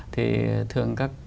thì thường các